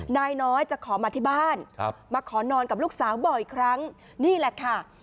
นายน้อยจะขอมาที่บ้านมาขอนอนกับลูกสาวบ่อยครั้งนี่แหละค่ะ